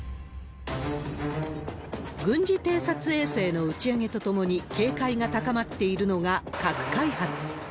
軍事偵察衛星の打ち上げとともに警戒が高まっているのが核開発。